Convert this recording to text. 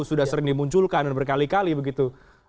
sudah sering dimunculkan dan berkali kali begitu